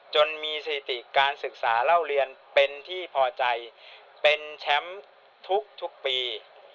จนมีสถิติการศึกษาเล่าเรียนเป็นที่พอใจเป็นแชมป์ทุกปี